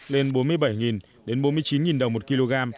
lên bốn mươi bảy đến bốn mươi chín đồng một kg